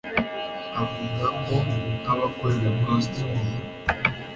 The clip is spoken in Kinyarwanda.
Avuga ko nk'abakorera muri Australia